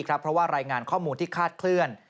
เพราะว่ารายงานข้อมูลที่คาดเคลื่อน